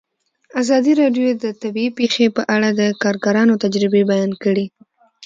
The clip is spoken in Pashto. ازادي راډیو د طبیعي پېښې په اړه د کارګرانو تجربې بیان کړي.